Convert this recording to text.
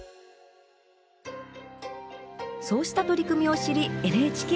そうした取り組みを知りＮＨＫ